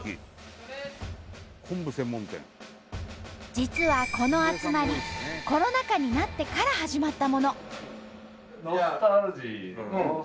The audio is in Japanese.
実はこの集まりコロナ禍になってから始まったもの。